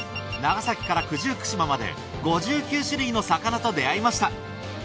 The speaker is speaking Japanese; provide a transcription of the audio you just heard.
長崎から九十九島まで５９種類の魚と出会いました。